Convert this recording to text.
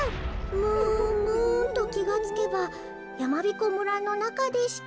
ムーンムーンときがつけばやまびこ村のなかでした」。